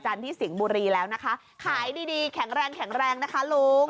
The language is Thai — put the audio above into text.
ก็เสียงเพลงเนี่ยเออ